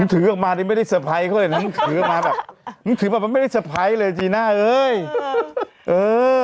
นี่ถือออกมาดิไม่ได้สเตอร์ไพรส์เขาเห็นนี่ถือออกมาแบบนี่ถือออกมาไม่ได้สเตอร์ไพรส์เลยจีน่าเอ้ยเออ